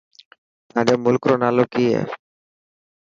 تانجي ملڪ رو نالو ڪي هي.